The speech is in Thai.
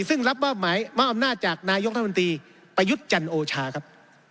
ซึ่งรับบ้าหมายมาอำหน้าจากนายกธนตรีประยุทธจันโอชาครับ